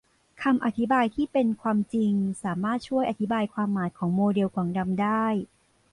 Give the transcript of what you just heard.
คำอธิบายที่เป็นความจริงสามารถช่วยอธิบายความหมายของโมเดลกล่องดำได้